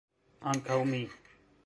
Ankaŭ mi.